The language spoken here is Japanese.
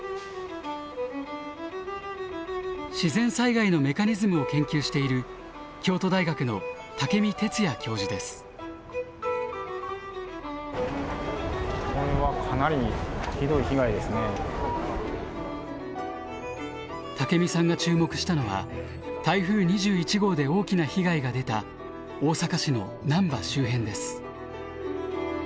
自然災害のメカニズムを研究している竹見さんが注目したのは台風２１号で大きな被害が出た大阪市の難波周辺です。